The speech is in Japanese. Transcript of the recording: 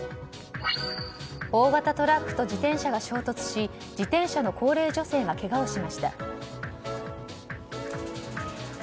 大型トラックと自転車が衝突し自転車の高齢女性がけがをしました。